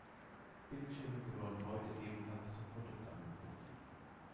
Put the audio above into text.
Bildschirme gehören heute ebenfalls zum Produktangebot.